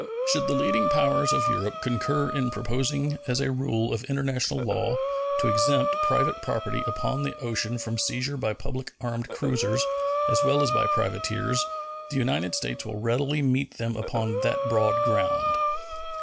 Should the leading powers of Europe concur in proposing as a rule of international law to exempt private property upon the ocean from seizure by public armed cruisers as well as by privateers, the United States will readily meet them upon that broad ground.